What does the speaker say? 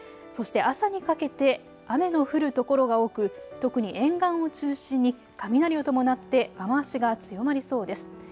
そして朝にかけて雨の降る所が多く、特に沿岸を中心に雷を伴って雨足が強まりそうです。